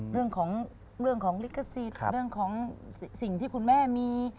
เรื่องของลิขสิทธิ์เรื่องของสิ่งที่คุณแม่มี